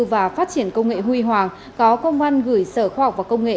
và phát triển công nghệ huy hoàng có công an gửi sở khoa học và công nghệ